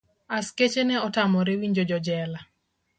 Askeche ne otamre winjo jojela.